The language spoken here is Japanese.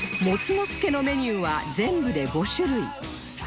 もつのすけのメニューは全部で５種類